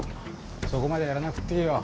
そこまでやらなくっていいよ。